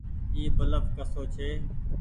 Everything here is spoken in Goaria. اي بلڦ ڪسو ڇي۔